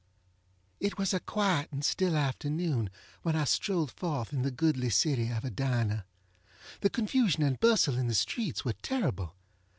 It was a quiet and still afternoon when I strolled forth in the goodly city of Edina. The confusion and bustle in the streets were terrible.